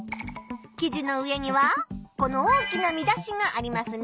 記事の上にはこの大きな見出しがありますね。